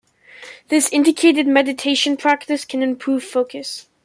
This indicated meditation practice can improve focus.